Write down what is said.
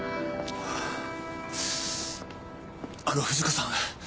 あの藤子さん。